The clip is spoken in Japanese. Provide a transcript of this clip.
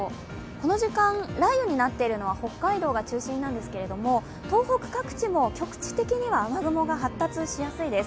この時間、雷雨になっているのは北海道が中心なんですけれども、東北各地も局地的には雨雲が発達しやすいです。